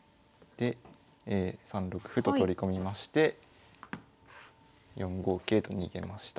で３六歩と取り込みまして４五桂と逃げました。